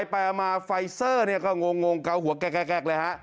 ไปมาไฟเซอร์เนี่ยก็งงเกาหัวแก๊กเลยฮะ